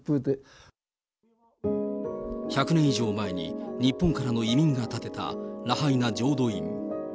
１００年以上前に日本からの移民が建てた、ラハイナ浄土院。